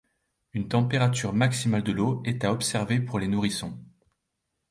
Une température maximale de l’eau à est à observer pour les nourrissons.